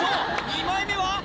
２枚目は？